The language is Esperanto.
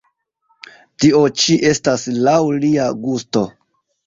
Tio ĉi estas laŭ lia gusto.